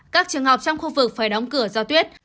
các trường học trong khu vực phải đóng cửa do tuyết